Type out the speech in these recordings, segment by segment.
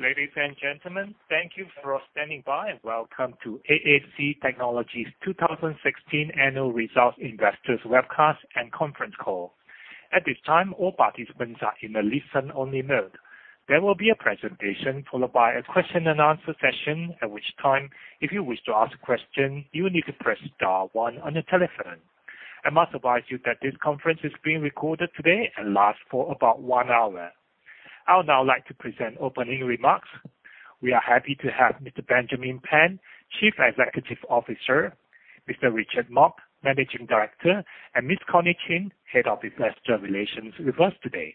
Ladies and gentlemen, thank you for standing by, and welcome to AAC Technologies' 2016 Annual Results Investors' Webcast and Conference Call. At this time, all participants are in a listen-only mode. There will be a presentation, followed by a question and answer session, at which time, if you wish to ask a question, you will need to press star one on your telephone. I must advise you that this conference is being recorded today and lasts for about one hour. I would now like to present opening remarks. We are happy to have Mr. Benjamin Pan, Chief Executive Officer, Mr. Richard Mok, Managing Director, and Ms. Connie Chin, Head of Investor Relations, with us today.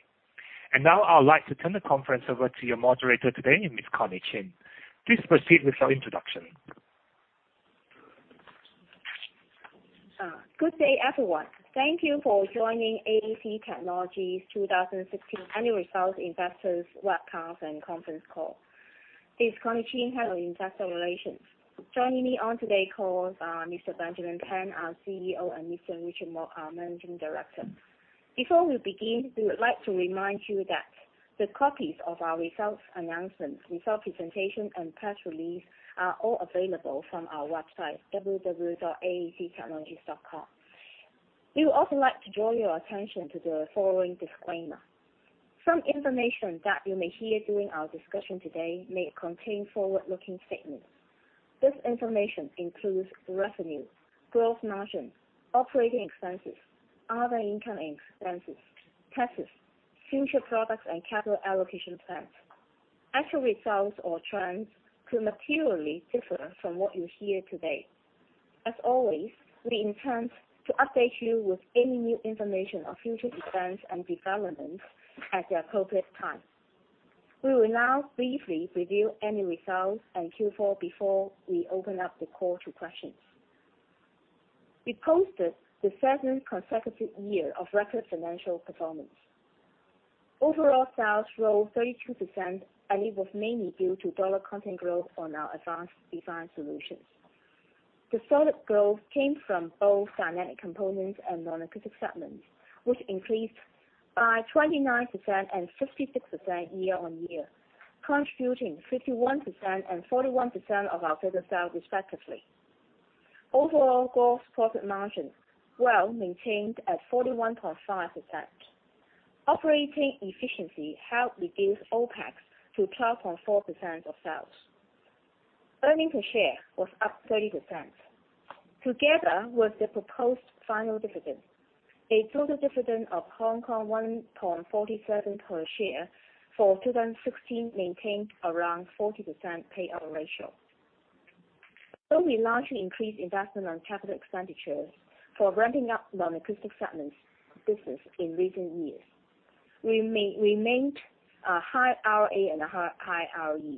I would now like to turn the conference over to your moderator today, Ms. Connie Chin. Please proceed with your introduction. Good day, everyone. Thank you for joining AAC Technologies' 2016 Annual Results Investors' Webcast and Conference Call. This is Connie Chin, Head of Investor Relations. Joining me on today's call is Mr. Benjamin Pan, our CEO, and Mr. Richard Mok, our Managing Director. Before we begin, we would like to remind you that the copies of our results announcements, results presentation, and press release are all available from our website, www.aactechnologies.com. We would also like to draw your attention to the following disclaimer. Some information that you may hear during our discussion today may contain forward-looking statements. This information includes revenue, gross margin, operating expenses, other income expenses, taxes, future products, and capital allocation plans. Actual results or trends could materially differ from what you hear today. As always, we intend to update you with any new information on future events and developments at the appropriate time. We will now briefly review annual results and Q4 before we open up the call to questions. We posted the seventh consecutive year of record financial performance. Overall sales rose 32%, and it was mainly due to dollar content growth on our advanced design solutions. The solid growth came from both Dynamic Components and non-acoustic segments, which increased by 29% and 56% year-on-year, contributing 51% and 41% of our total sales respectively. Overall gross profit margin, well maintained at 41.5%. Operating efficiency helped reduce OPEX to 12.4% of sales. Earnings per share was up 30%. Together with the proposed final dividend, a total dividend of HK$1.47 per share for 2016 maintained around 40% payout ratio. Though we largely increased investment on capital expenditures for ramping up non-acoustic segments business in recent years, we maintained a high ROA and a high ROE.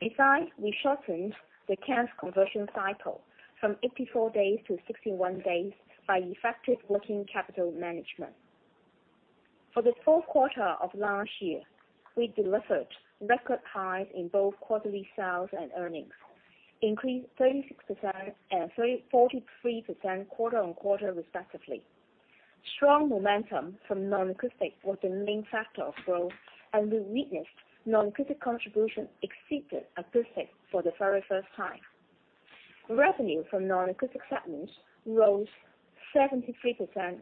Besides, we shortened the cash conversion cycle from 84 days to 61 days by effective working capital management. For the fourth quarter of last year, we delivered record highs in both quarterly sales and earnings, increased 36% and 43% quarter-on-quarter respectively. Strong momentum from non-acoustic was the main factor of growth, and we witnessed non-acoustic contribution exceeded acoustic for the very first time. Revenue from non-acoustic segments rose 73%,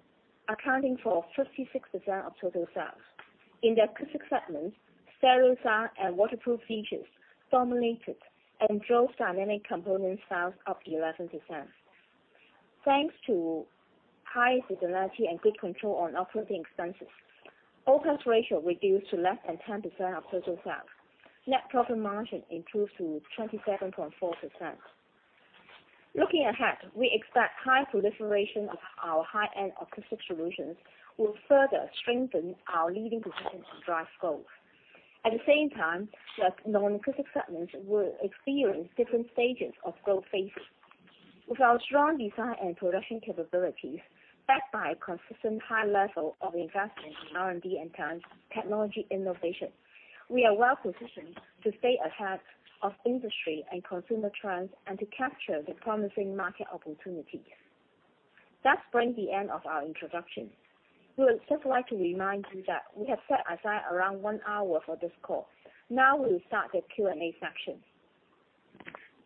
accounting for 56% of total sales. In the acoustic segment, stereo sound and waterproof features dominated and drove Dynamic Components sales up 11%. Thanks to high visibility and good control on operating expenses, OPEX ratio reduced to less than 10% of total sales. Net profit margin improved to 27.4%. Looking ahead, we expect high proliferation of our high-end acoustic solutions will further strengthen our leading position to drive growth. At the same time, the non-acoustic segments will experience different stages of growth phases. With our strong design and production capabilities, backed by a consistent high level of investment in R&D and technology innovation, we are well positioned to stay ahead of industry and consumer trends and to capture the promising market opportunities. That brings the end of our introduction. We would just like to remind you that we have set aside around one hour for this call. Now, we will start the Q&A session.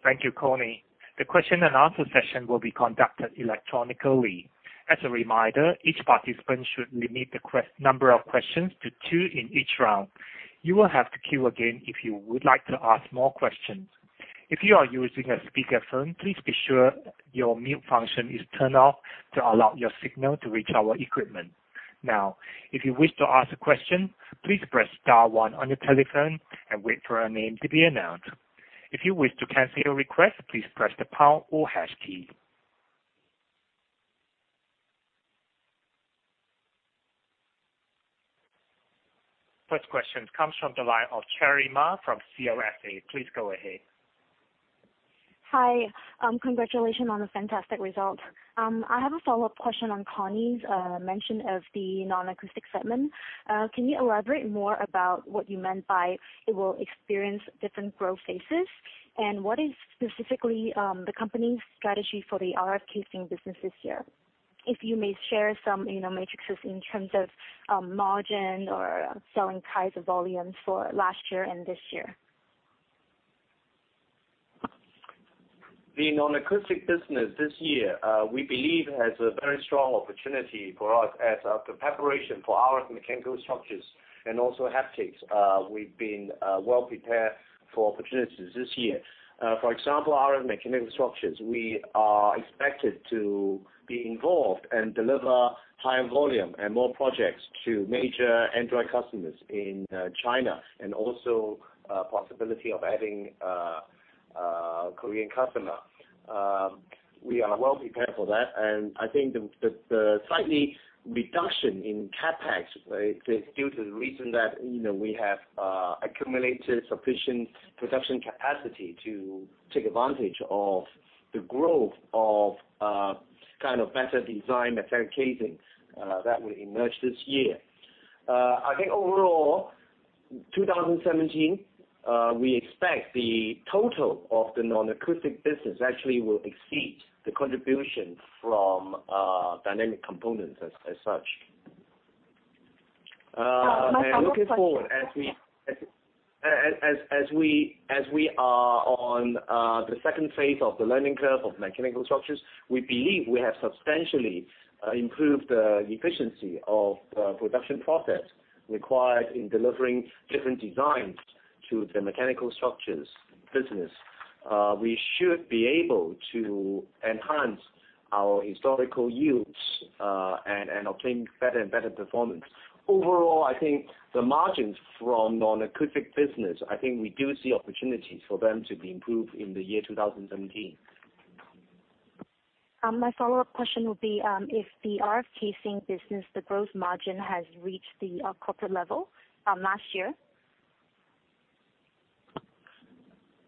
Thank you, Connie. The question and answer session will be conducted electronically. As a reminder, each participant should limit the number of questions to two in each round. You will have to queue again if you would like to ask more questions. If you are using a speakerphone, please be sure your mute function is turned off to allow your signal to reach our equipment. Now, if you wish to ask a question, please press star one on your telephone and wait for your name to be announced. If you wish to cancel your request, please press the pound or hash key. First question comes from the line of Cherry Ma from CLSA. Please go ahead. Hi. Congratulations on the fantastic results. I have a follow-up question on Connie's mention of the non-acoustic segment. What is specifically the company's strategy for the RF casing business this year? If you may share some matrices in terms of margin or selling price or volume for last year and this year. The non-acoustic business this year, we believe has a very strong opportunity for us as the preparation for RF mechanical structures and also haptics. We've been well-prepared for opportunities this year. For example, RF mechanical structures, we are expected to be involved and deliver higher volume and more projects to major Android customers in China, also a possibility of adding a Korean customer. We are well-prepared for that, I think the slight reduction in CapEx is due to the reason that we have accumulated sufficient production capacity to take advantage of the growth of better design metallic casing that will emerge this year. I think overall, 2017, we expect the total of the non-acoustic business actually will exceed the contribution from Dynamic Components as such. My follow-up question. Looking forward, as we are on the 2 phase of the learning curve of mechanical structures, we believe we have substantially improved the efficiency of the production process required in delivering different designs to the mechanical structures business. We should be able to enhance our historical yields, and obtain better and better performance. Overall, I think the margins from non-acoustic business, we do see opportunities for them to be improved in 2017. My follow-up question would be if the RF casing business, the gross margin, has reached the corporate level last year?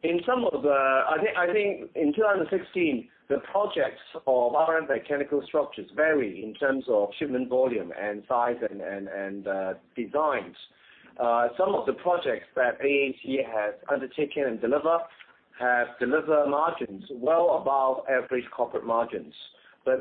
I think in 2016, the projects of RF mechanical structures vary in terms of shipment volume and size and designs. Some of the projects that AAC has undertaken and delivered have delivered margins well above average corporate margins.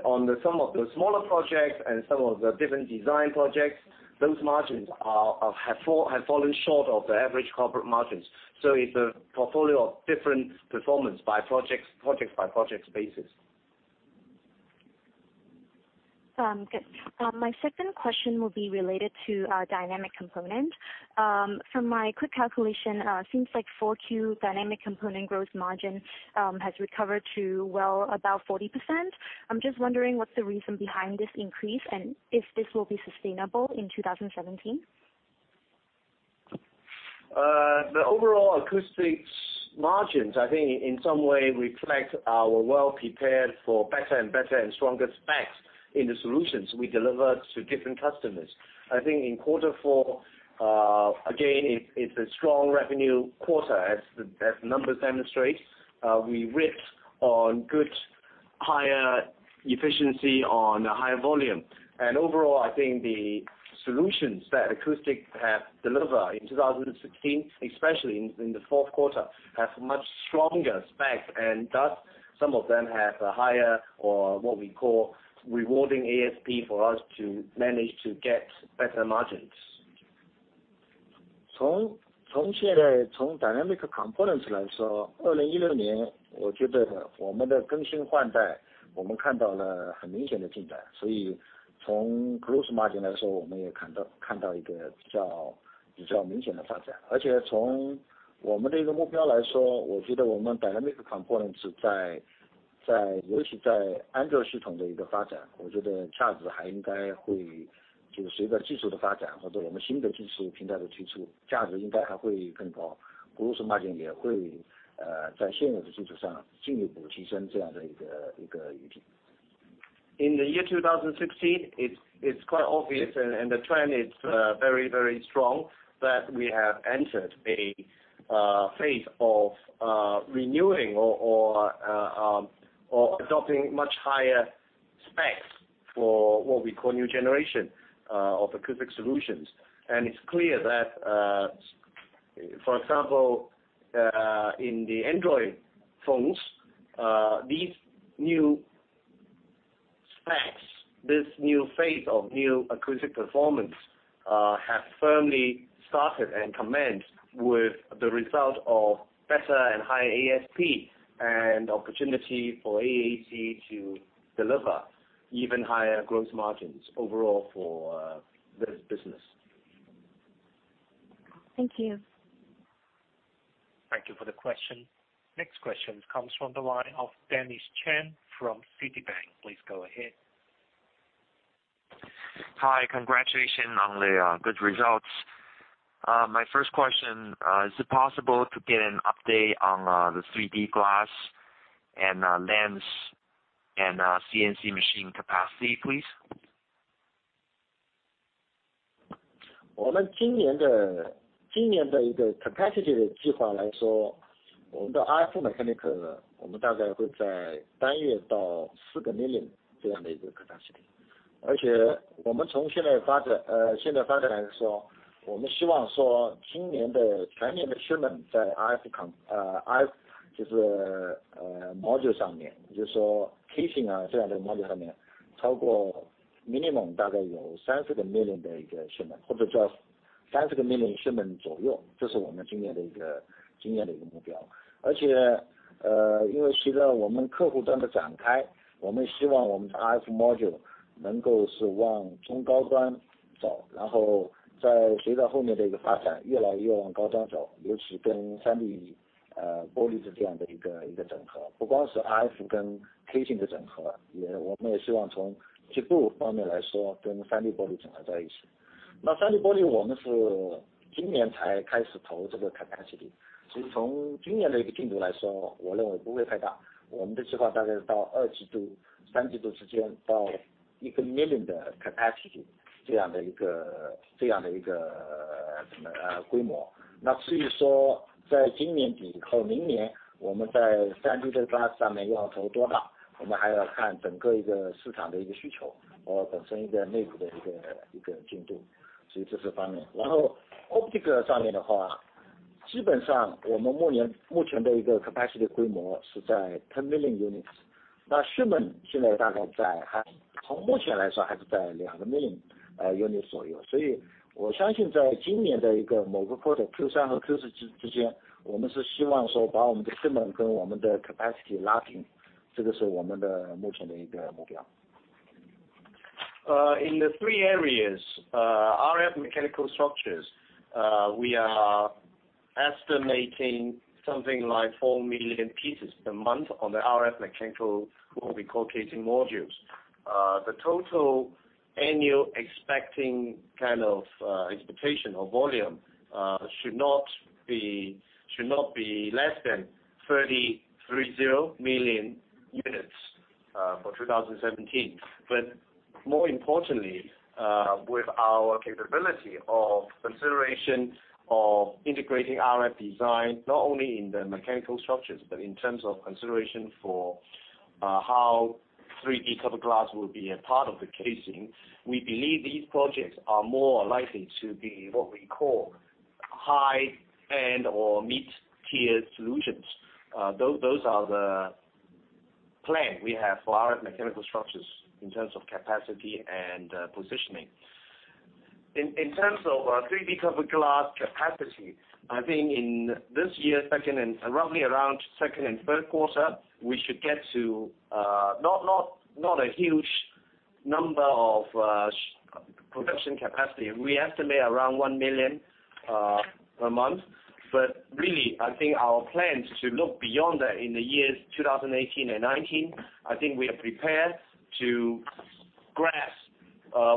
On some of the smaller projects and some of the different design projects, those margins have fallen short of the average corporate margins. It's a portfolio of different performance by project basis. Good. My second question will be related to Dynamic Components. From my quick calculation, seems like 4Q Dynamic Components growth margin has recovered to well above 40%. I'm just wondering what's the reason behind this increase, and if this will be sustainable in 2017. The overall acoustics margins, I think in some way reflect our well-prepared for better and stronger specs in the solutions we delivered to different customers. I think in quarter four, again, it's a strong revenue quarter as the numbers demonstrate. We reaped on good, higher efficiency on higher volume. Overall, I think the solutions that acoustics have delivered in 2016, especially in the fourth quarter, have much stronger specs, and thus, some of them have a higher or what we call rewarding ASP for us to manage to get better margins. In the year 2016, it's quite obvious and the trend is very strong that we have entered a phase of renewing or adopting much higher specs for what we call new generation of acoustic solutions. It's clear that, for example, in the Android phones, these new specs, this new phase of new acoustic performance, have firmly started and commenced with the result of better and higher ASP and opportunity for AAC to deliver even higher growth margins overall for this business. Thank you. Thank you for the question. Next question comes from the line of Dennis Chen from Citi. Please go ahead. Hi, congratulations on the good results. My first question, is it possible to get an update on the 3D glass and lens and CNC machine capacity, please? 而且我们从现在发展来说，我们希望今年全年的shipment在RF module上面，比如casing这样的module上面，超过minimum，大概有30 million的一个shipment，或者做到30 million shipment左右，这是我们今年的一个目标。而且因为随着我们客户端的展开，我们希望我们的RF module能够往高端走，然后随着后面的发展，越来越往高端走，尤其跟3D玻璃这样的一个整合。不光是RF跟casing的整合，我们也希望从结构方面来说，跟3D玻璃整合在一起。那3D玻璃我们是今年才开始投这个capacity。所以从今年的一个进度来说，我认为不会太大，我们的计划大概是到二季度、三季度之间，到一个million的capacity，这样的一个规模。那至于在今年底，和明年我们在3D glass上面要投多大，我们还要看整个市场的一个需求，和本身内部的一个进度，所以这是方面。然后optics上面的话，基本上我们目前的一个capacity规模是在10 million units。那shipment现在从目前来说，还是在2 million In the three areas, RF mechanical structures, we are estimating something like 4 million pieces per month on the RF mechanical, what we call casing modules. The total annual expecting kind of expectation or volume, should not be less than 30 million units for 2017. More importantly, with our capability of consideration of integrating RF design, not only in the mechanical structures, but in terms of consideration for how 3D cover glass will be a part of the casing. We believe these projects are more likely to be what we call high-end or mid-tier solutions. Those are the plan we have for our mechanical structures in terms of capacity and positioning. In terms of 3D cover glass capacity, I think in this year, roughly around second and third quarter, we should get to not a huge number of production capacity. We estimate around 1 million per month. Really, I think our plan to look beyond that in the years 2018 and 2019, I think we are prepared to grasp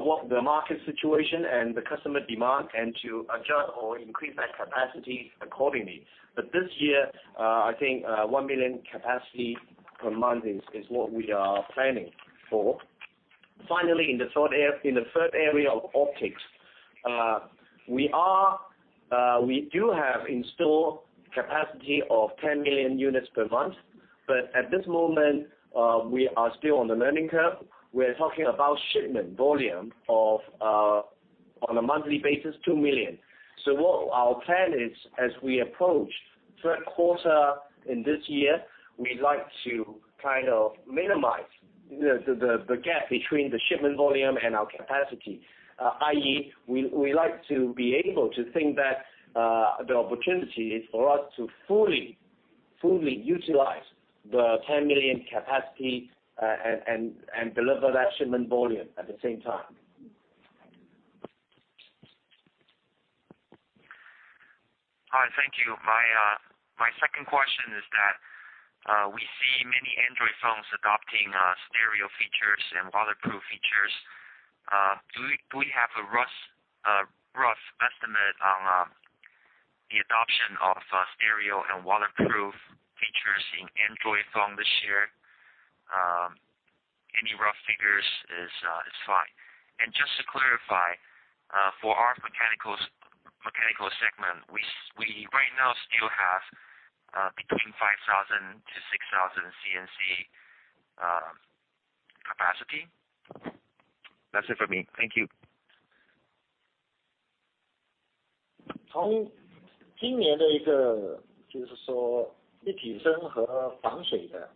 what the market situation and the customer demand, and to adjust or increase that capacity accordingly. This year, I think 1 million capacity per month is what we are planning for. Finally, in the third area of optics, we do have installed capacity of 10 million units per month, but at this moment, we are still on the learning curve. We are talking about shipment volume on a monthly basis, 2 million. What our plan is as we approach third quarter in this year, we like to kind of minimize the gap between the shipment volume and our capacity. We like to be able to think that the opportunity is for us to fully utilize the 10 million capacity, and deliver that shipment volume at the same time. All right. Thank you. My second question is that we see many Android phones adopting stereo features and waterproof features. Do we have a rough estimate on the adoption of stereo and waterproof features in Android phone this year? Any rough figures is fine. Just to clarify, for our mechanical segment, we right now still have between 5,000 to 6,000 CNC capacity? That's it for me. Thank you. 从今年立体声和防水的，在smartphone的发展来说，我们今年大概会看到100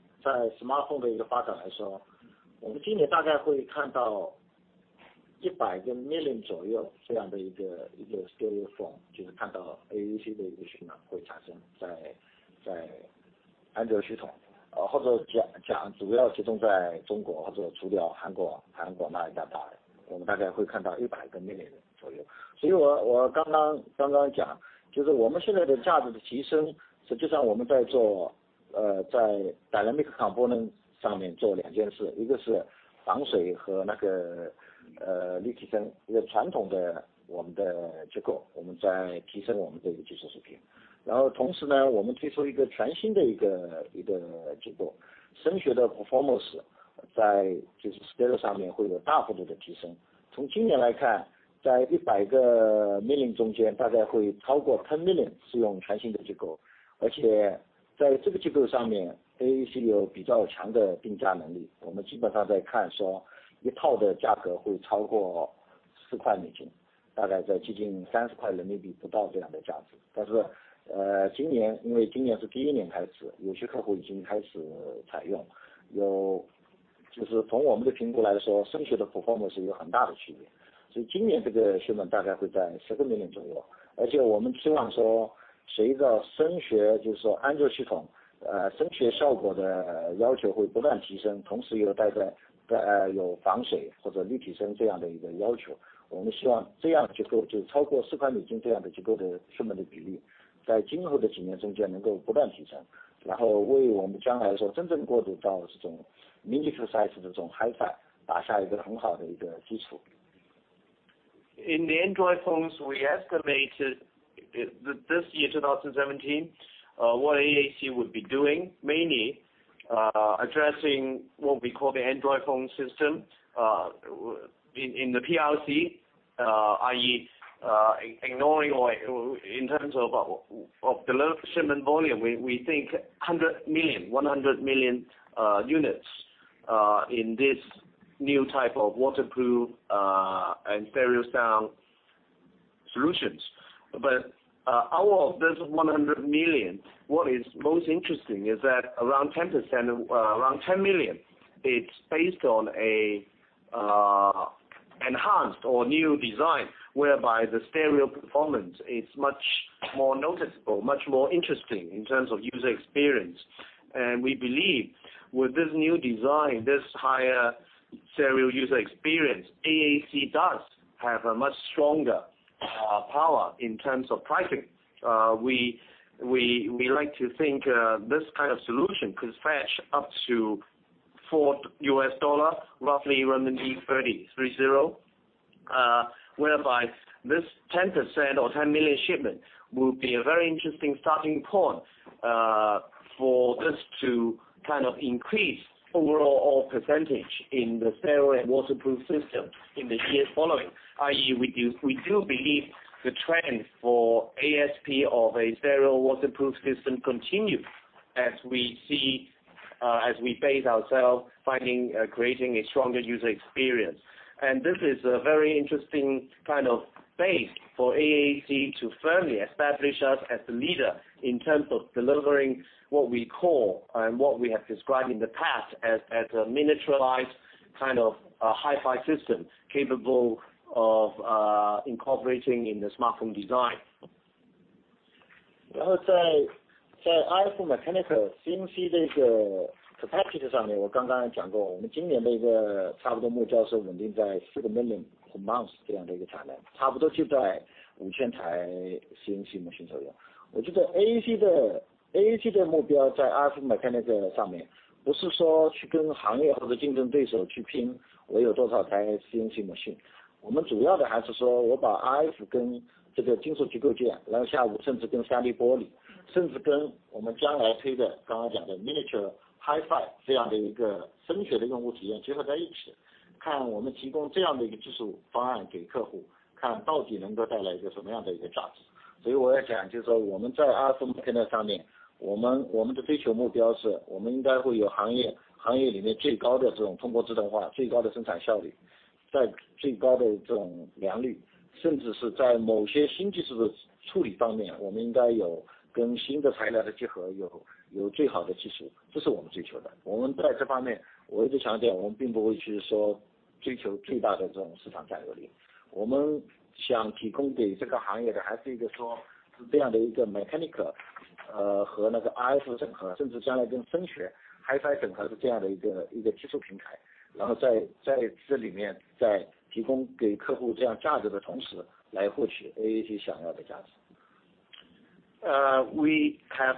million左右这样的一个stereo phone，看到AAC的一个shipment会产生在Android系统，或者主要集中在中国，或者除掉韩国那一大块，我们大概会看到100 million左右。所以我刚刚讲，我们现在的价值的提升，实际上我们在Dynamic In the Android phones, we estimated this year 2017, what AAC would be doing, mainly addressing what we call the Android phone system in the PRC, i.e. Ignoring or in terms of below shipment volume, we think 100 million units in this new type of waterproof and stereo sound solutions. Out of this 100 million, what is most interesting is that around 10 million, it's based on an enhanced or new design, whereby the stereo performance is much more noticeable, much more interesting in terms of user experience. We believe with this new design, this higher stereo user experience, AAC does have a much stronger power in terms of pricing. We like to think this kind of solution could fetch up to $4, roughly RMB 30. This 10% or 10 million shipment will be a very interesting starting point for this to kind of increase overall percentage in the stereo and waterproof system in the years following. I.e., we do believe the trend for ASP of a stereo waterproof system continue as we base ourselves finding, creating a stronger user experience. This is a very interesting kind of base for AAC to firmly establish us as the leader in terms of delivering what we call and what we have described in the past as a miniaturized kind of Hi-Fi system capable of incorporating in the smartphone design. 然后在RF mechanical CNC这个capacity上面，我刚刚讲过，我们今年的目标差不多是稳定在4 million per month这样的一个产能，差不多就在5000台CNC机器左右。我觉得AAC的目标在RF mechanical上面，不是说去跟行业或者竞争对手去拼我有多少台CNC机器。我们主要的还是说我把RF跟金属结构件，然后下午甚至跟3D玻璃，甚至跟我们将来推的刚刚讲的miniature Hi-Fi这样的声学的用户体验结合在一起，看我们提供这样的一个技术方案给客户，看到底能够带来一个什么样的价值。所以我要讲，我们在RF We have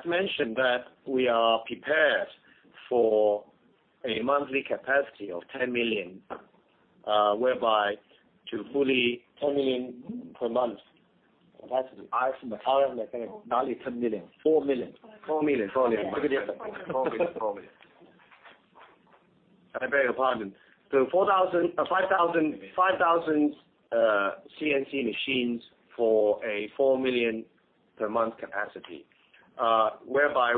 mentioned that we are prepared for a monthly capacity of 10 million, whereby to. 10 million per month. Not only 10 million, 4 million. 4 million. I beg your pardon. 5,000 CNC machines for a 4 million per month capacity, whereby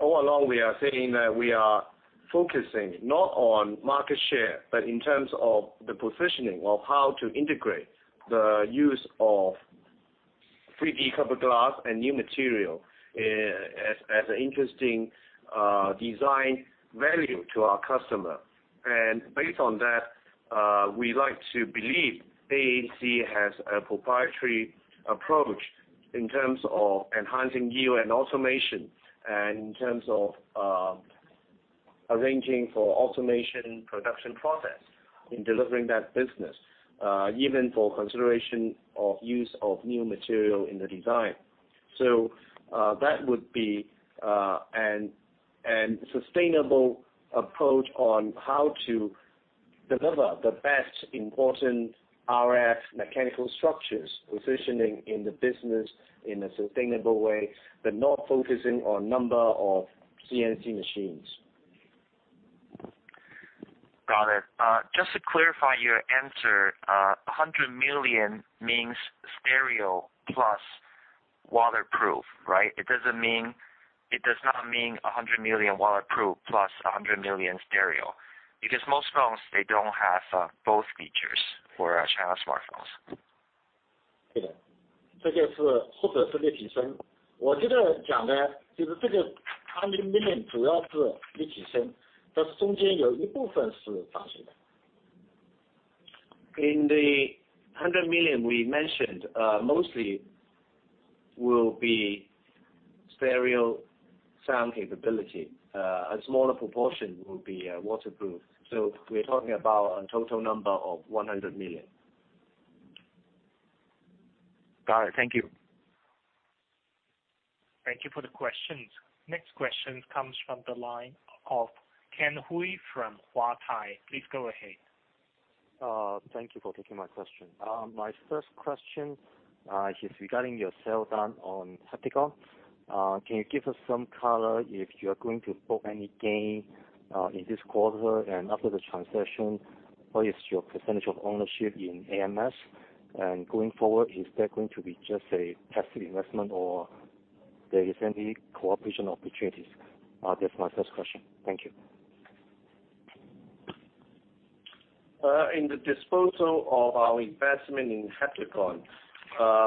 all along we are saying that we are focusing not on market share, but in terms of the positioning of how to integrate the use of 3D cover glass and new material as an interesting design value to our customer. Based on that, we like to believe AAC has a proprietary approach in terms of enhancing yield and automation and in terms of arranging for automation production process in delivering that business, even for consideration of use of new material in the design. That would be a sustainable approach on how to deliver the best important RF mechanical structures positioning in the business in a sustainable way, but not focusing on number of CNC machines. Got it. Just to clarify your answer, 100 million means stereo plus waterproof, right? It does not mean 100 million waterproof plus 100 million stereo. Most phones, they don't have both features, for China smartphones. In the 100 million we mentioned, mostly will be stereo sound capability. A smaller proportion will be waterproof. We're talking about a total number of 100 million. Got it. Thank you. Thank you for the questions. Next question comes from the line of Ken Hui from Huatai. Please go ahead. Thank you for taking my question. My first question is regarding your sale done on Heptagon. Can you give us some color if you are going to book any gain in this quarter and after the transaction, what is your percentage of ownership in ams? Going forward, is that going to be just a passive investment or there is any cooperation opportunities? That's my first question. Thank you. In the disposal of our investment in Heptagon,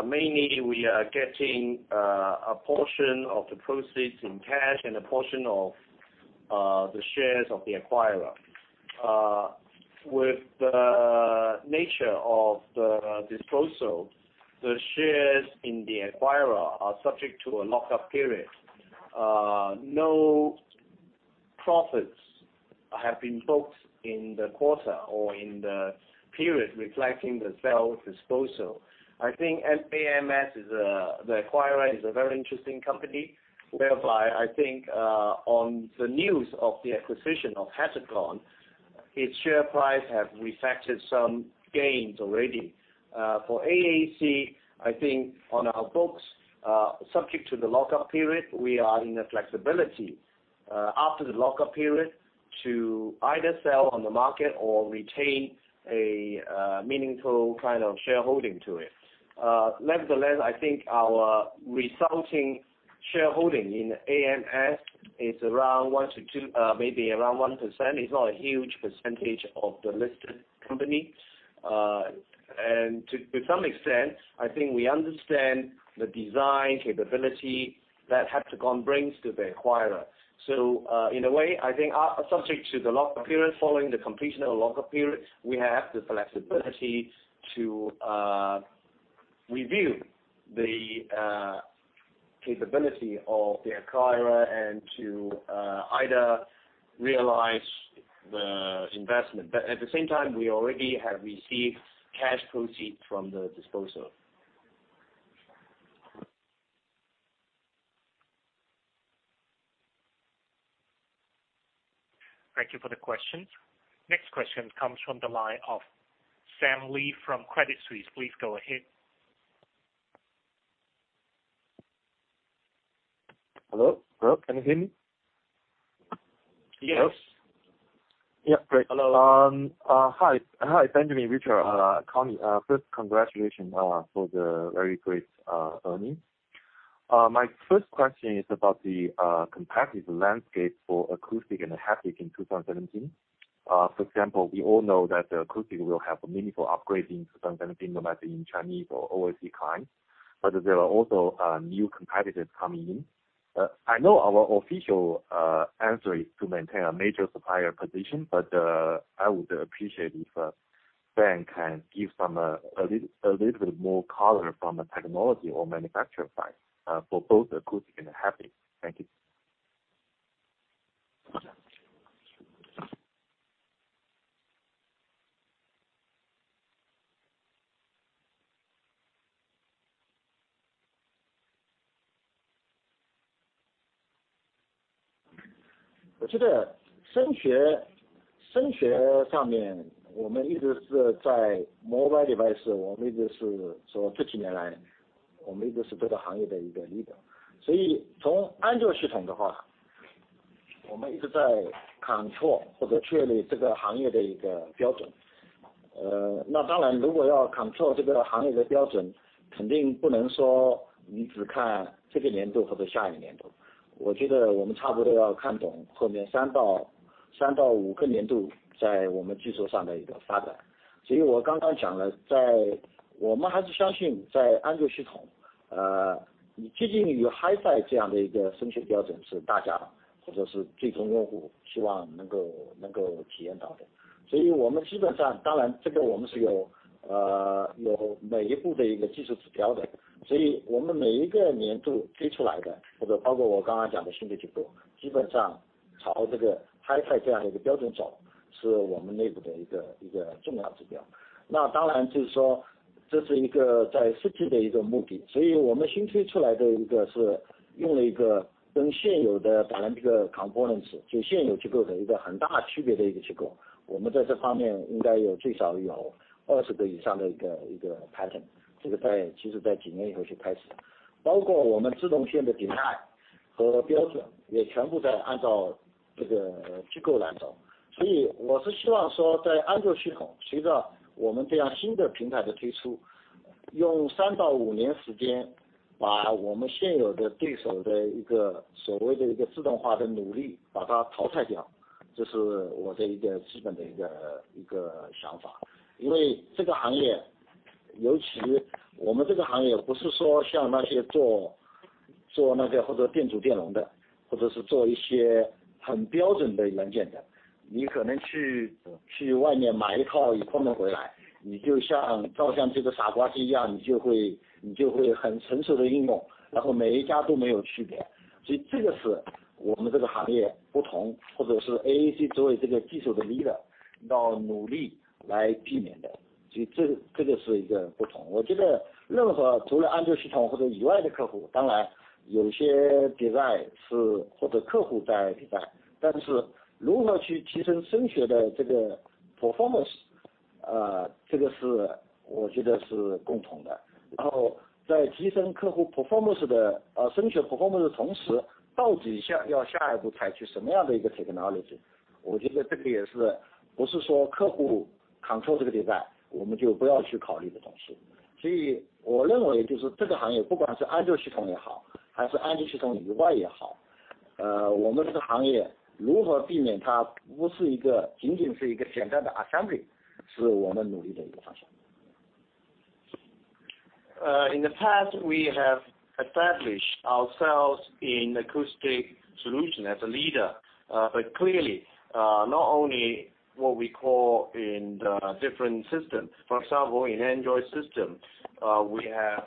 mainly we are getting a portion of the proceeds in cash and a portion of the shares of the acquirer. With the nature of the disposal, the shares in the acquirer are subject to a lock-up period. No profits have been booked in the quarter or in the period reflecting the sale disposal. I think ams, the acquirer, is a very interesting company, whereby I think on the news of the acquisition of Heptagon, its share price have reflected some gains already. For AAC, I think on our books, subject to the lock-up period, we are in a flexibility after the lock-up period to either sell on the market or retain a meaningful kind of shareholding to it. Nevertheless, I think our resulting shareholding in ams is maybe around 1%. It's not a huge percentage of the listed company. To some extent, I think we understand the design capability that Heptagon brings to the acquirer. In a way, I think subject to the lock-up period, following the completion of the lock-up period, we have the flexibility to review the capability of the acquirer and to either realize the investment. At the same time, we already have received cash proceed from the disposal. Thank you for the question. Next question comes from the line of Sam Lee from Credit Suisse. Please go ahead. Hello, can you hear me? Yes. Yeah, great. Hello. Hi, Benjamin, Richard, Connie. First, congratulations for the very great earnings. My first question is about the competitive landscape for acoustic and haptic in 2017. For example, we all know that acoustic will have a meaningful upgrade in 2017, no matter in Chinese or overseas clients. There are also new competitors coming in. I know our official answer is to maintain a major supplier position, but I would appreciate if Ben can give a little bit more color from the technology or manufacturer side, for both acoustic and haptic. Thank you. In the past, we have established ourselves in acoustic solution as a leader, but clearly not only what we call in the different systems. For example, in Android system, we have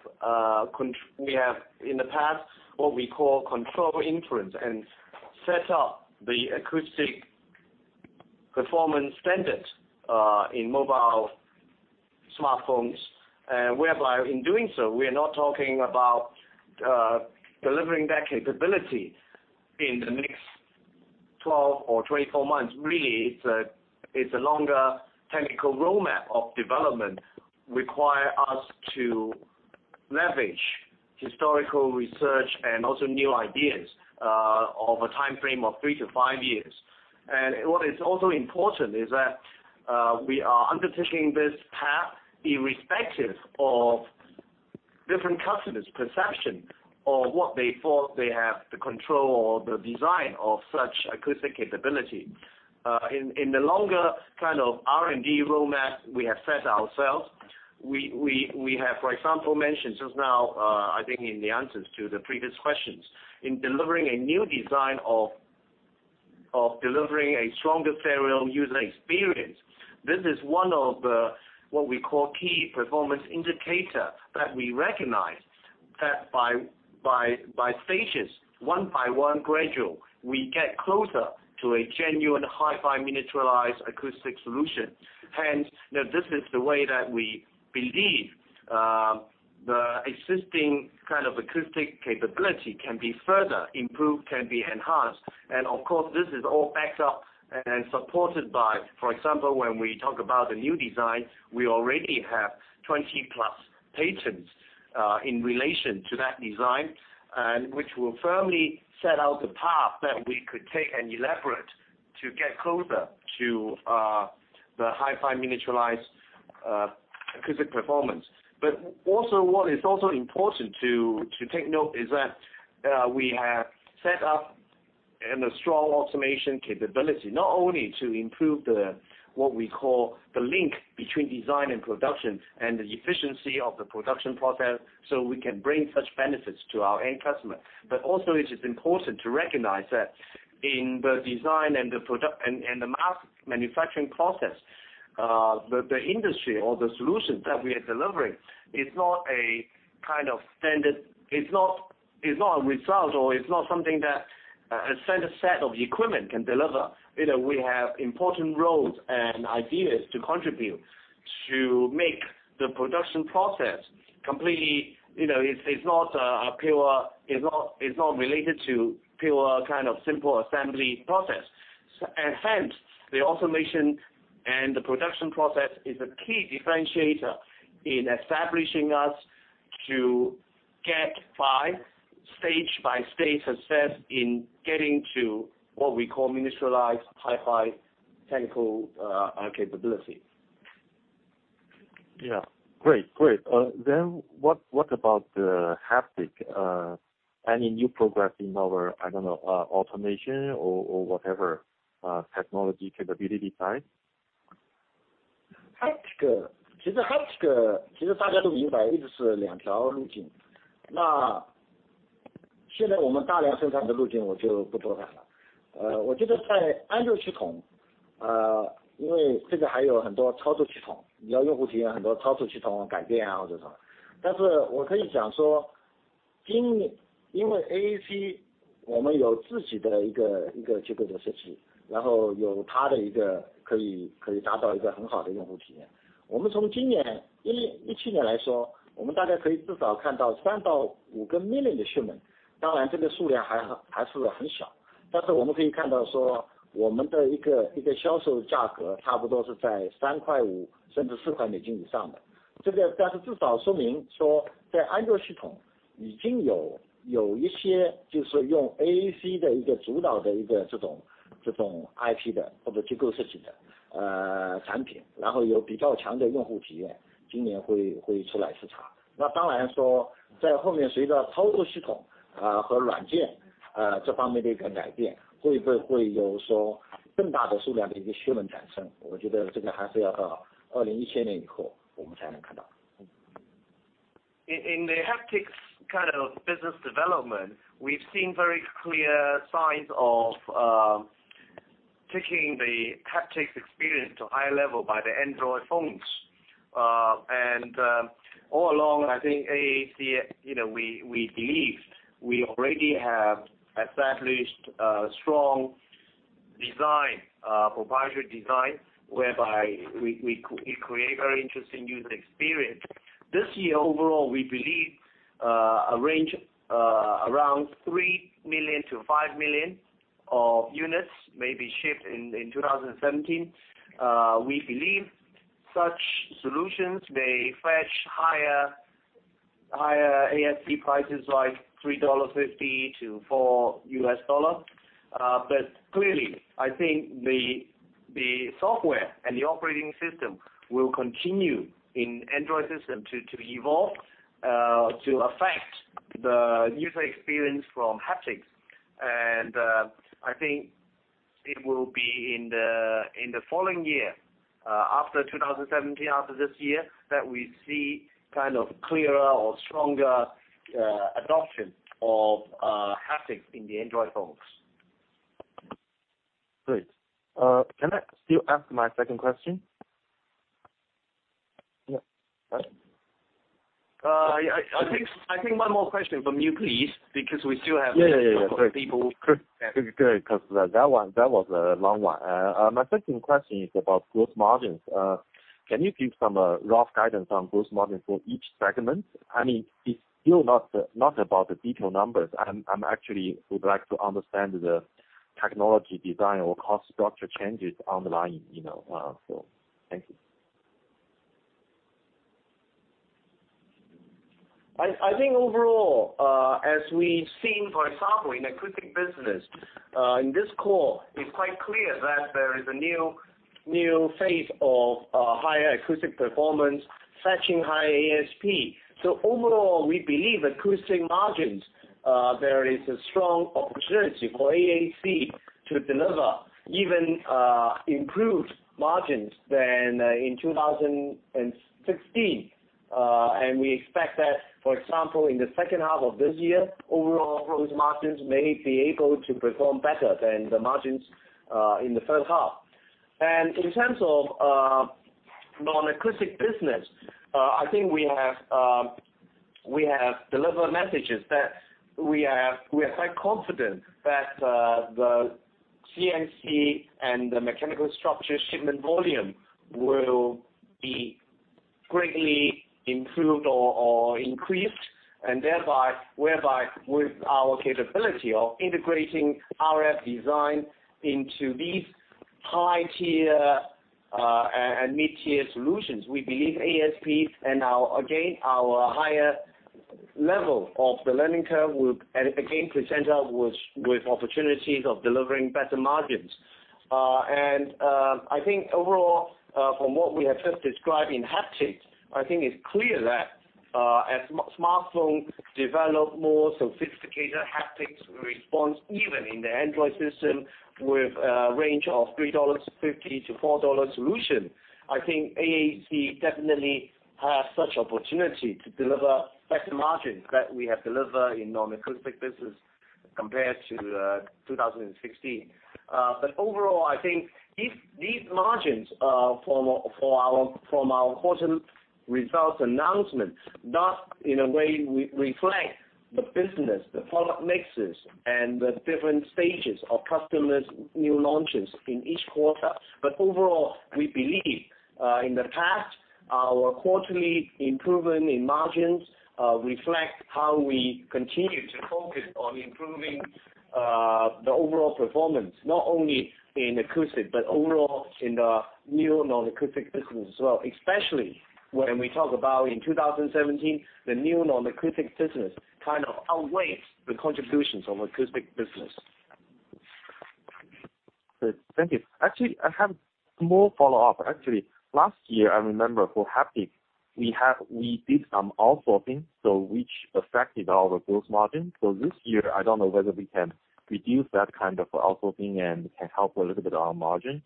in the past what we call control influence and set up the acoustic performance standards in mobile smartphones. Whereby in doing so, we are not talking about delivering that capability in the next 12 or 24 months. Really, it's a longer technical roadmap of development, require us to leverage historical research and also new ideas of a timeframe of three to five years. What is also important is that we are undertaking this path irrespective of different customers perception or what they thought they have the control or the design of such acoustic capability. In the longer kind of R&D roadmap we have set ourselves, we have, for example, mentioned just now I think in the answers to the previous questions, in delivering a new design of delivering a stronger stereo user experience. This is one of the what we call key performance indicator that we recognize that by stages, one by one gradual, we get closer to a genuine Hi-Fi miniaturized acoustic solution. Hence, this is the way that we believe the existing kind of acoustic capability can be further improved, can be enhanced. Of course, this is all backed up and supported by, for example, when we talk about the new design, we already have 20 plus patents in relation to that design, which will firmly set out the path that we could take and elaborate to get closer to the Hi-Fi miniaturized acoustic performance. What is also important to take note is that we have set up a strong automation capability, not only to improve the, what we call the link between design and production and the efficiency of the production process so we can bring such benefits to our end customer. Also it is important to recognize that in the design and the mass manufacturing process, the industry or the solutions that we are delivering is not a kind of standard. It's not a result, or it's not something that a standard set of equipment can deliver. We have important roles and ideas to contribute to make the production process completely. It's not related to pure kind of simple assembly process. Hence, the automation and the production process is a key differentiator in establishing us to get by stage by stage success in getting to what we call miniaturized Hi-Fi technical capability. Yeah. Great. What about the haptics? Any new progress in our, I don't know, automation or whatever technology capability side? shipment，当然这个数量还是很少，但是我们可以看到，我们的销售价格差不多是在$3.50甚至$4以上的。这个至少说明在Android系统已经有一些用AAC主导的这种IP的或者结构设计的产品，有比较强的用户体验，今年会出来市场。当然，在后面随着操作系统和软件这方面的一个改变，会不会有更大的数量的shipment产生，我觉得这个还是要到2017年以后，我们才能看到。In the haptics kind of business development, we've seen very clear signs of taking the haptics experience to a higher level by the Android phones. All along, I think AAC, we believe we already have established a strong proprietary design, whereby we create very interesting user experience. This year, overall, we believe a range around 3 million to 5 million of units may be shipped in 2017. We believe such solutions, they fetch higher ASP prices like $3.50-$4. Clearly, I think the software and the operating system will continue in Android system to evolve, to affect the user experience from haptics. I think it will be in the following year, after 2017, after this year, that we see kind of clearer or stronger adoption of haptics in the Android phones. Great. Can I still ask my second question? I think one more question from you, please, because we still have a couple of people. Yeah. Great, because that one was a long one. My second question is about gross margins. Can you give some rough guidance on gross margin for each segment? I mean, it's still not about the detailed numbers. I actually would like to understand the technology design or cost structure changes underlying. Thank you. I think overall, as we've seen, for example, in acoustic business, in this call, it's quite clear that there is a new phase of higher acoustic performance fetching higher ASP. Overall, we believe acoustic margins, there is a strong opportunity for AAC to deliver even improved margins than in 2016. We expect that, for example, in the second half of this year, overall gross margins may be able to perform better than the margins in the first half. In terms of non-acoustic business, I think we have delivered messages that we are quite confident that the CNC and the mechanical structure shipment volume will be greatly improved or increased, and thereby with our capability of integrating RF design into these high-tier and mid-tier solutions. We believe ASP and again, our higher level of the learning curve will again present us with opportunities of delivering better margins. I think overall, from what we have just described in haptics, I think it's clear that as smartphones develop more sophisticated haptics response, even in the Android system, with a range of $3.50-$4 solution. I think AAC definitely has such opportunity to deliver better margins that we have delivered in non-acoustic business compared to 2016. Overall, I think these margins from our quarter results announcement, not in a way reflect the business, the product mixes, and the different stages of customers' new launches in each quarter. Overall, we believe in the past, our quarterly improvement in margins reflect how we continue to focus on improving the overall performance, not only in acoustic, but overall in the new non-acoustic business as well, especially when we talk about in 2017, the new non-acoustic business kind of outweighs the contributions of acoustic business. Good. Thank you. Actually, I have more follow-up. Actually, last year, I remember for haptics, we did some outsourcing, which affected our gross margin. This year, I don't know whether we can reduce that kind of outsourcing and can help a little bit our margin.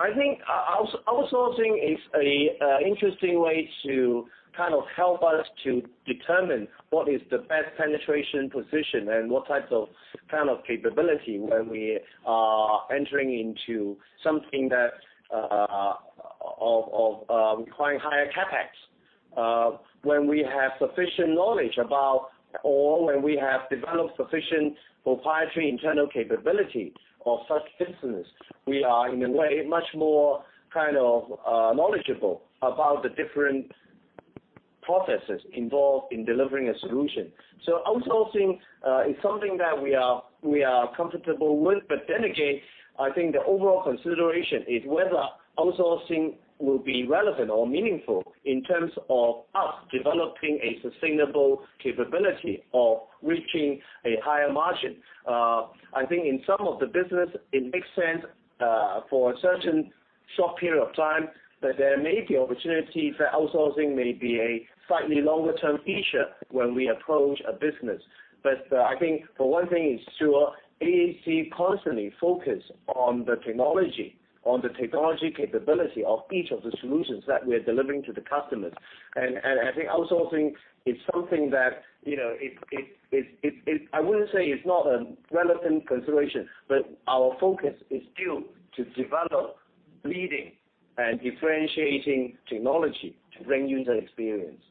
I think outsourcing is an interesting way to kind of help us to determine what is the best penetration position and what types of capability when we are entering into something that require higher CapEx. When we have sufficient knowledge about, or when we have developed sufficient proprietary internal capability of such business, we are in a way much more kind of knowledgeable about the different processes involved in delivering a solution. outsourcing is something that we are comfortable with. again, I think the overall consideration is whether outsourcing will be relevant or meaningful in terms of us developing a sustainable capability of reaching a higher margin. I think in some of the business, it makes sense for a certain short period of time, but there may be opportunity for outsourcing, maybe a slightly longer-term feature when we approach a business. I think for one thing is sure, AAC constantly focus on the technology capability of each of the solutions that we are delivering to the customers. I think outsourcing is something that, I wouldn't say it's not a relevant consideration, but our focus is still to develop leading and differentiating technology to bring user experience.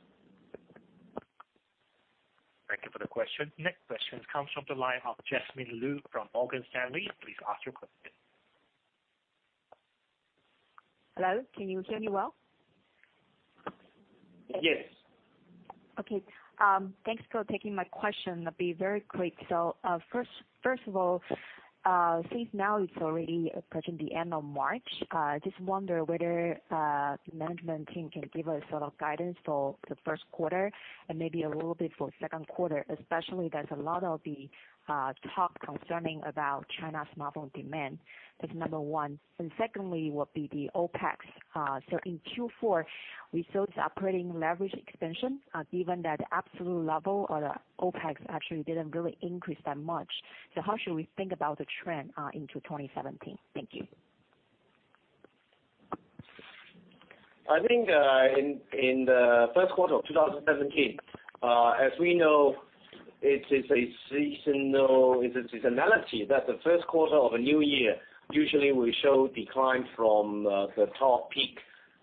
Thank you for the question. Next question comes from the line of Jasmine Lu from Morgan Stanley. Please ask your question. Hello, can you hear me well? Yes. Okay. Thanks for taking my question. I'll be very quick. First of all, since now it's already approaching the end of March, I just wonder whether management team can give us sort of guidance for the first quarter and maybe a little bit for second quarter, especially there's a lot of the talk concerning about China's mobile demand. That's number one. Secondly, will be the OPEX. In Q4, we saw this operating leverage extension, given that absolute level or the OPEX actually didn't really increase that much. How should we think about the trend into 2017? Thank you. I think, in the first quarter of 2017, as we know, it's a seasonality that the first quarter of a new year usually will show decline from the top peak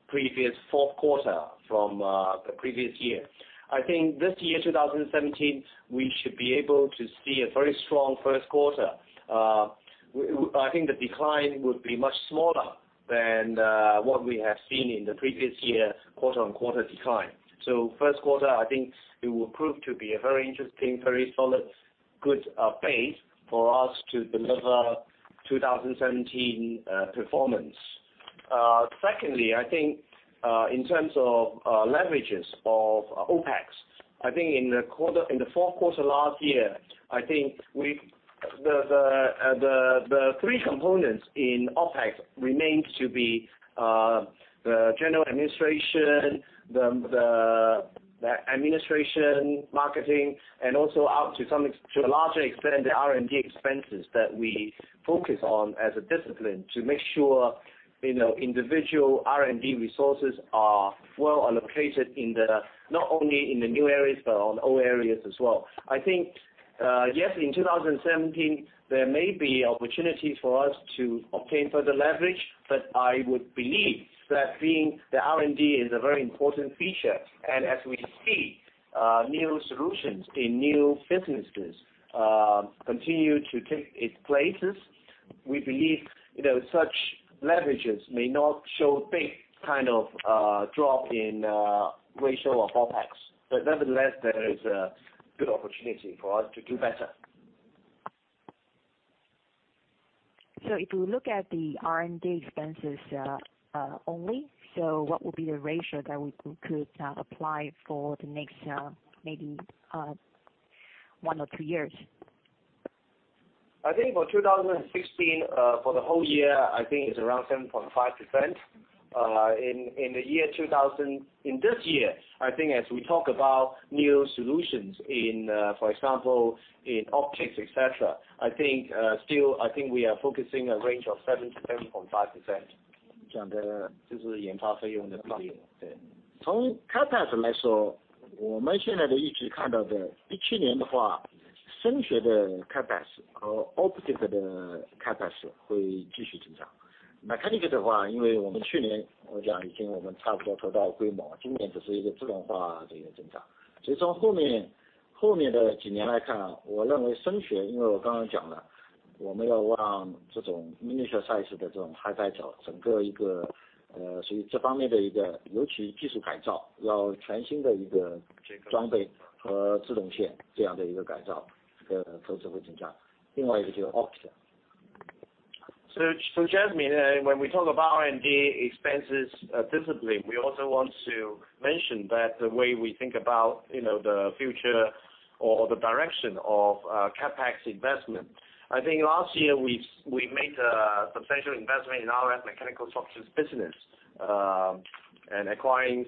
previous fourth quarter from the previous year. I think this year, 2017, we should be able to see a very strong first quarter. I think the decline would be much smaller than what we have seen in the previous year quarter-on-quarter decline. First quarter, I think it will prove to be a very interesting, very solid, good base for us to deliver 2017 performance. Secondly, I think, in terms of leverages of OPEX, I think in the fourth quarter last year, I think the 3 components in OPEX remains to be the general administration, the administration marketing, and also out to a larger extent, the R&D expenses that we focus on as a discipline to make sure individual R&D resources are well allocated not only in the new areas, but on old areas as well. I think, yes, in 2017, there may be opportunities for us to obtain further leverage, but I would believe that being the R&D is a very important feature, and as we see new solutions in new businesses continue to take its places. We believe such leverages may not show big kind of drop in ratio of OPEX, but nevertheless, there is a good opportunity for us to do better. If you look at the R&D expenses only, what would be the ratio that we could apply for the next maybe one or two years? I think for 2016, for the whole year, I think it's around 7.5%. In this year, I think as we talk about new solutions, for example, in optics, et cetera, I think we are focusing a range of 7 to Jasmine, when we talk about R&D expenses discipline, we also want to mention that the way we think about the future or the direction of CapEx investment. I think last year we made a substantial investment in our mechanical structures business, and acquired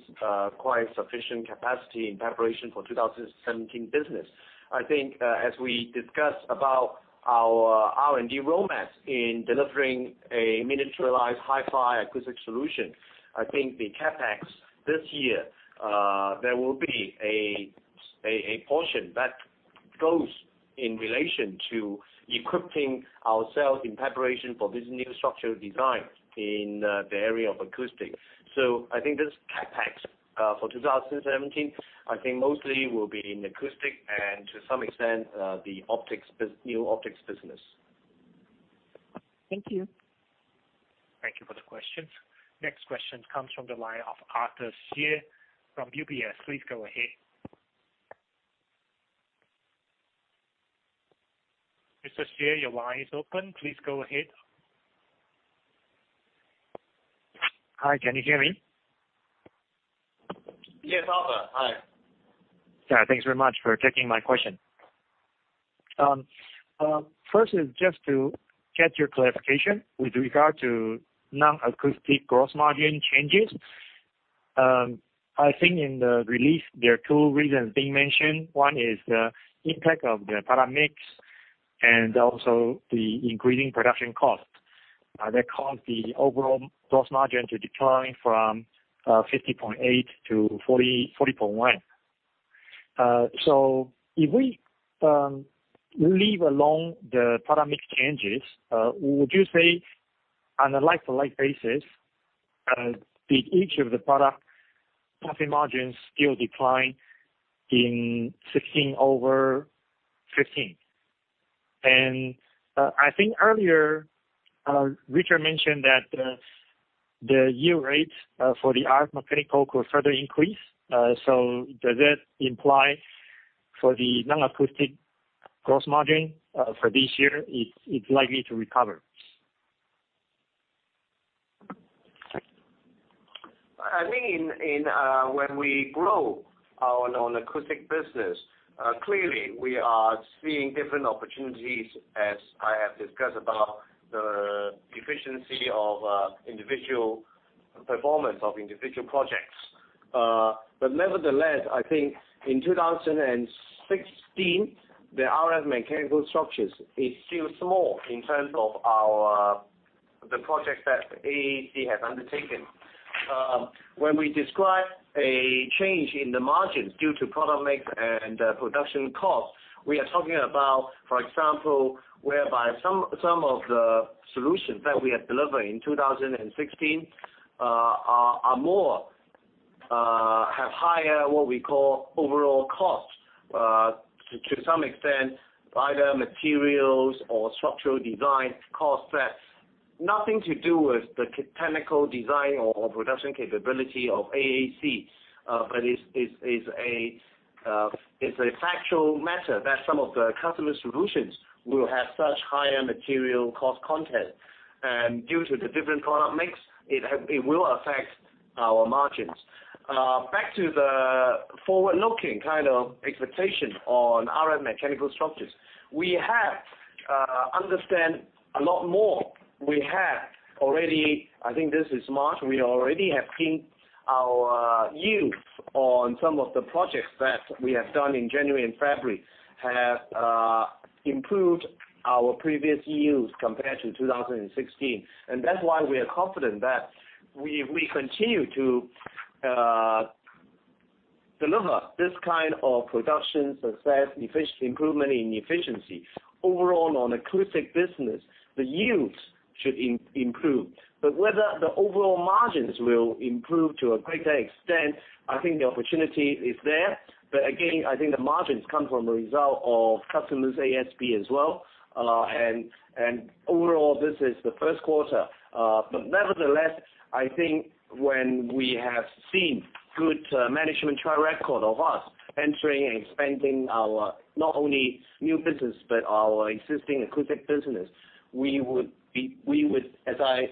sufficient capacity in preparation for 2017 business. I think as we discuss about our R&D roadmap in delivering a miniaturized Hi-Fi acoustic solution, I think the CapEx this year, there will be a portion that goes in relation to equipping ourselves in preparation for this new structural design in the area of acoustic. I think this CapEx for 2017, I think mostly will be in acoustic and to some extent, the new optics business. Thank you. Thank you for the questions. Next question comes from the line of Arthur Xie from UBS. Please go ahead. Mr. Xie, your line is open. Please go ahead. Hi, can you hear me? Yes, Arthur. Hi. Thanks very much for taking my question. First is just to get your clarification with regard to non-acoustic gross margin changes. I think in the release there are two reasons being mentioned. One is the impact of the product mix and also the increasing production cost that caused the overall gross margin to decline from 50.8% to 40.1%. If we leave along the product mix changes, would you say on a like-to-like basis, did each of the product profit margins still decline in 2016 over 2015? I think earlier, Richard mentioned that the yield rates for the RF mechanical could further increase. Does that imply for the non-acoustic gross margin for this year, it's likely to recover? I think when we grow our non-acoustic business, clearly we are seeing different opportunities as I have discussed about the efficiency of individual performance of individual projects. Nevertheless, I think in 2016, the RF mechanical structures is still small in terms of the projects that AAC has undertaken. When we describe a change in the margins due to product mix and production cost, we are talking about, for example, whereby some of the solutions that we have delivered in 2016 have higher, what we call, overall costs to some extent, either materials or structural design cost that's nothing to do with the technical design or production capability of AAC. It's a factual matter that some of the customer solutions will have such higher material cost content. Due to the different product mix, it will affect our margins. Back to the forward-looking kind of expectation on RF mechanical structures. We have understand a lot more. I think this is March, we already have seen our yields on some of the projects that we have done in January and February have improved our previous yields compared to 2016. That is why we are confident that we continue to deliver this kind of production success, improvement in efficiency. Overall on acoustic business, the yields should improve. Whether the overall margins will improve to a greater extent, I think the opportunity is there. Again, I think the margins come from a result of customers' ASP as well. Overall, this is the first quarter. Nevertheless, I think when we have seen good management track record of us entering and expanding our, not only new business, but our existing acoustic business, as I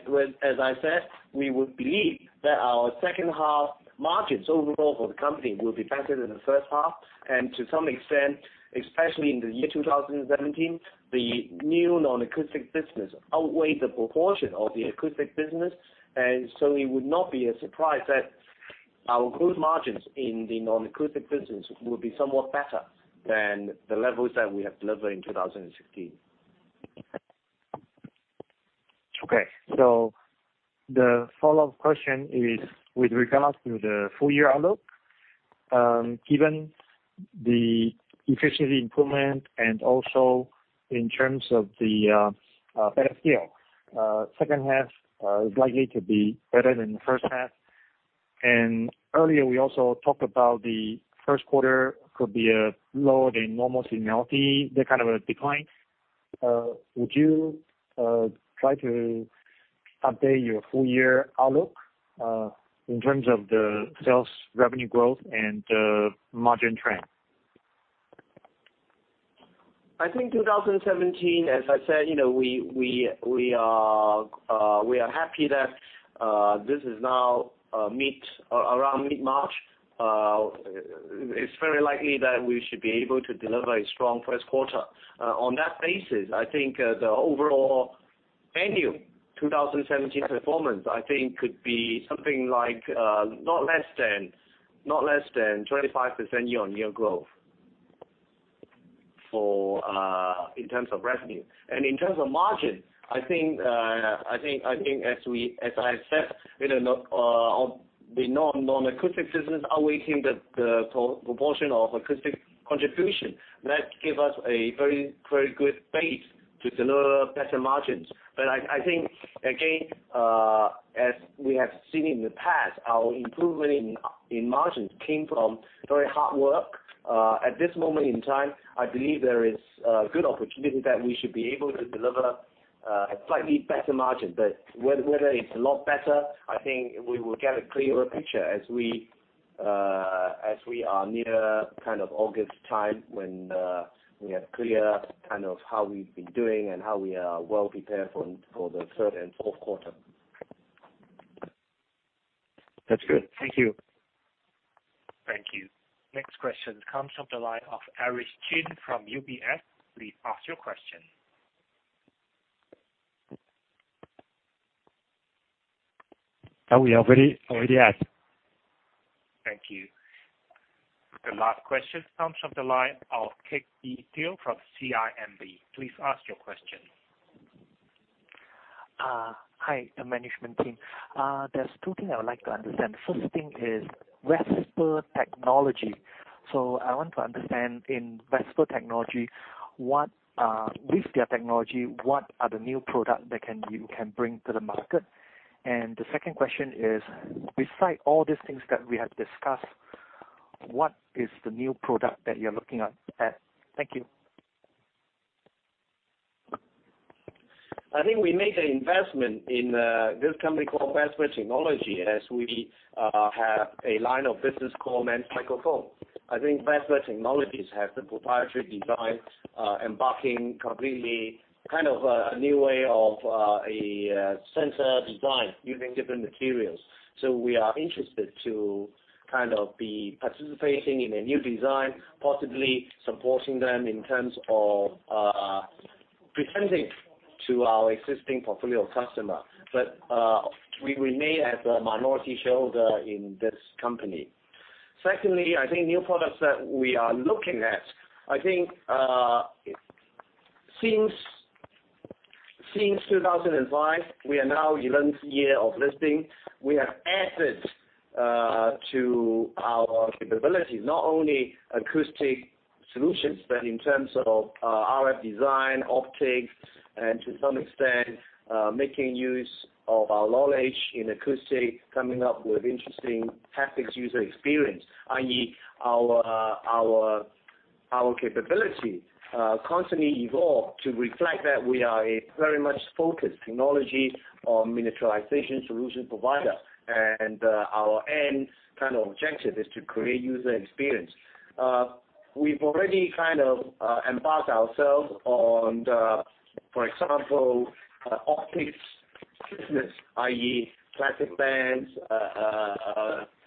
said, we would believe that our second half margins overall for the company will be better than the first half. To some extent, especially in the year 2017, the new non-acoustic business outweigh the proportion of the acoustic business. It would not be a surprise that our gross margins in the non-acoustic business will be somewhat better than the levels that we have delivered in 2016. Okay. The follow-up question is with regard to the full-year outlook. Given the efficiency improvement and also in terms of the better scale, second half is likely to be better than the first half. Earlier we also talked about the first quarter could be lower than normal seasonality, that kind of a decline. Would you try to update your full-year outlook, in terms of the sales revenue growth and the margin trend? I think 2017, as I said, we are happy that this is now around mid-March. It's very likely that we should be able to deliver a strong first quarter. On that basis, I think the overall annual 2017 performance, I think could be something like not less than 25% year-on-year growth in terms of revenue. In terms of margin, I think as I said, the non-acoustic business outweighing the proportion of acoustic contribution. That give us a very good base to deliver better margins. I think, again. As we have seen in the past, our improvement in margins came from very hard work. At this moment in time, I believe there is a good opportunity that we should be able to deliver a slightly better margin. Whether it's a lot better, I think we will get a clearer picture as we are near August time when we are clear how we've been doing and how we are well prepared for the third and fourth quarter. That's good. Thank you. Thank you. Next question comes from the line of Arthur Xie from UBS. Please ask your question. We already asked. Thank you. The last question comes from the line of Kate Detiel from CIMB. Please ask your question. Hi, the management team. There's two things I would like to understand. First thing is Vesper. I want to understand, in Vesper, with their technology, what are the new product that you can bring to the market? The second question is, beside all these things that we have discussed, what is the new product that you're looking at? Thank you. We made an investment in this company called Vesper as we have a line of business called MEMS microphone. Vesper has the proprietary design, embarking completely, a new way of a sensor design using different materials. We are interested to be participating in a new design, possibly supporting them in terms of presenting to our existing portfolio of customer. We remain as a minority shareholder in this company. Secondly, new products that we are looking at. Since 2005, we are now 11th year of listing. We have added to our capabilities, not only acoustic solutions, but in terms of RF design, optics, and to some extent, making use of our knowledge in acoustic, coming up with interesting haptics user experience, i.e. Our capability constantly evolve to reflect that we are a very much focused technology on miniaturization solution provider. Our end objective is to create user experience. We've already embarked ourselves on the, for example, optics business, i.e. plastic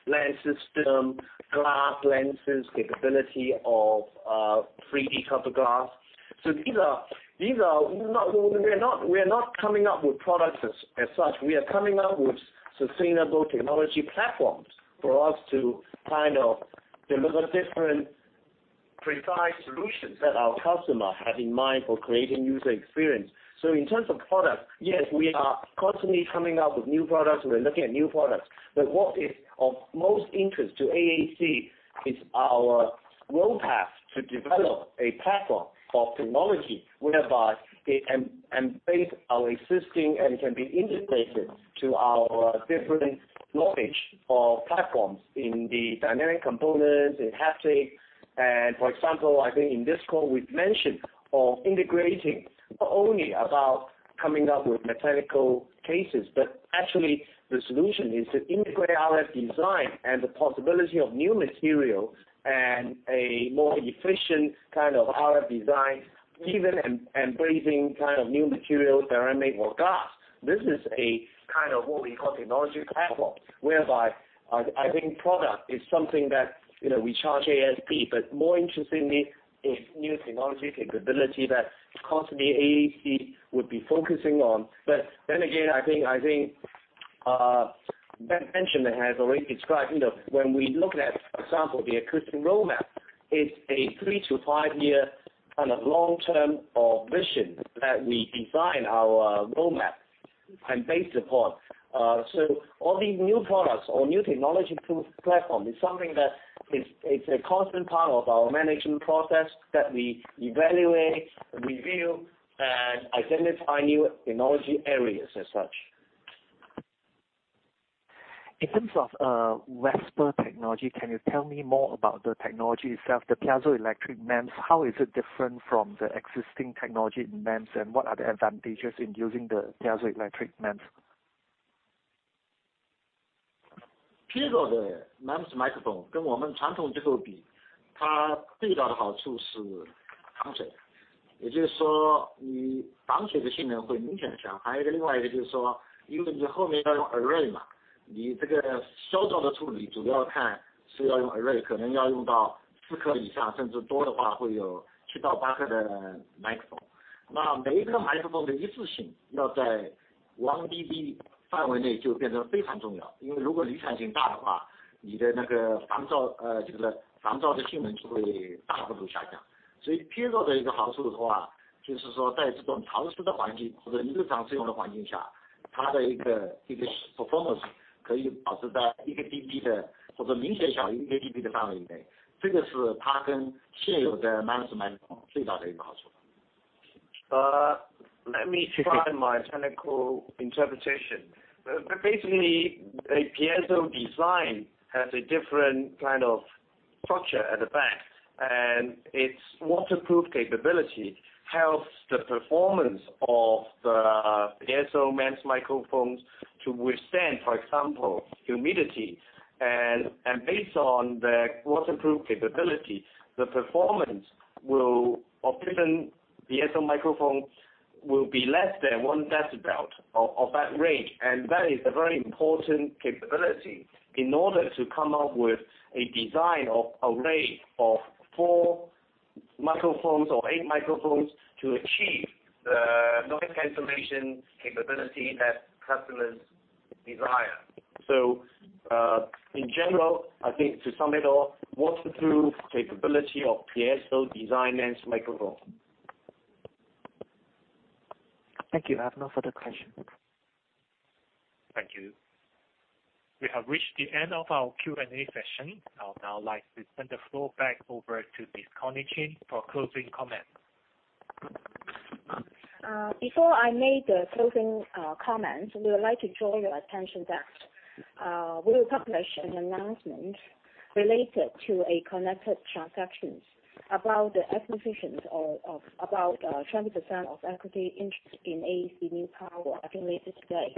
lens system, glass lenses, capability of 3D cover glass. We are not coming up with products as such. We are coming up with sustainable technology platforms for us to deliver different precise solutions that our customer have in mind for creating user experience. In terms of product, yes, we are constantly coming up with new products. We're looking at new products. What is of most interest to AAC is our road map to develop a platform of technology whereby it embrace our existing and can be integrated to our different knowledge of platforms in the Dynamic Components, in haptics. For example, I think in this call we've mentioned of integrating, not only about coming up with mechanical cases, but actually the solution is to integrate RF design and the possibility of new material and a more efficient RF design, even embracing new material, ceramic or glass. This is what we call technology platform, whereby, I think product is something that we charge ASP, but more interestingly is new technology capability that constantly AAC would be focusing on. Then again, I think, Ben mentioned and has already described, when we look at, for example, the acoustic roadmap, it's a three to five year long term vision that we design our roadmap and based upon. All these new products or new technology platform is something that is a constant part of our management process that we evaluate, review, and identify new technology areas as such. In terms of Vesper Technology, can you tell me more about the technology itself, the piezoelectric MEMS, how is it different from the existing technology in MEMS, and what are the advantages in using the piezoelectric MEMS? Let me try my technical interpretation. Basically, a piezo design has a different kind of structure at the back, and its waterproof capability helps the performance of the piezo MEMS microphones to withstand, for example, humidity. Based on the waterproof capability, the performance of given piezo microphones will be less than one decibel of that range. That is a very important capability in order to come up with a design of array of four microphones or eight microphones to achieve the noise cancellation capability that customers desire. In general, I think to sum it all, waterproof capability of piezo design MEMS microphone. Thank you. I have no further questions. Thank you. We have reached the end of our Q&A session. I would now like to turn the floor back over to Ms. Connie Chin for closing comments. Before I make the closing comments, we would like to draw your attention that we will publish an announcement related to a connected transaction about the acquisitions of about 20% of equity interest in AEC New Power later today.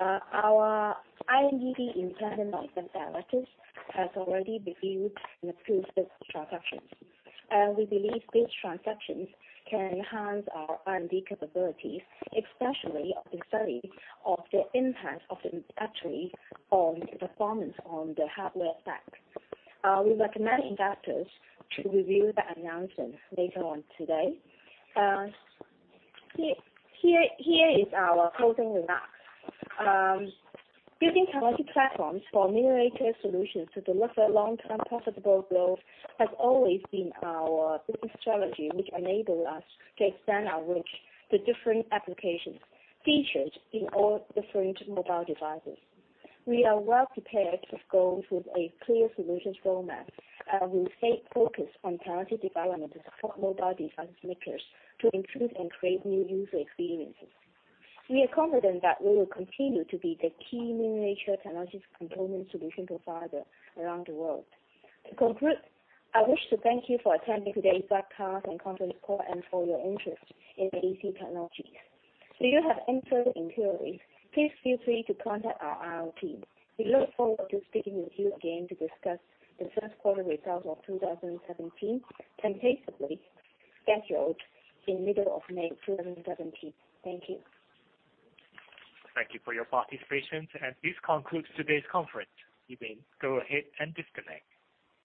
Our INED, independent non-executive directors, has already reviewed and approved this transaction. We believe this transaction can enhance our R&D capabilities, especially of the study of the impact of the battery on the performance on the hardware stack. We recommend investors to review that announcement later on today. Here is our closing remarks. Building technology platforms for miniature solutions to deliver long-term profitable growth has always been our business strategy, which enable us to expand our reach to different applications featured in all different mobile devices. We are well-prepared to go with a clear solutions roadmap, we will stay focused on technology development to support mobile device makers to improve and create new user experiences. We are confident that we will continue to be the key miniature technological component solution provider around the world. To conclude, I wish to thank you for attending today's broadcast and conference call and for your interest in the AAC Technologies. If you have any further inquiries, please feel free to contact our IR team. We look forward to speaking with you again to discuss the first quarter results of 2017, tentatively scheduled in the middle of May 2017. Thank you. Thank you for your participation, this concludes today's conference. You may go ahead and disconnect.